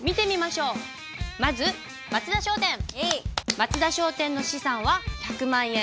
松田商店の資産は１００万円。